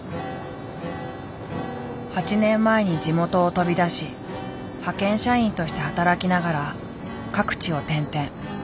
８年前に地元を飛び出し派遣社員として働きながら各地を転々。